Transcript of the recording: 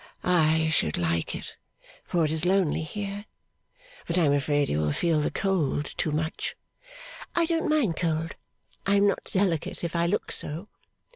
'I should like it, for it is lonely here; but I am afraid you will feel the cold too much.' 'I don't mind cold. I am not delicate, if I look so.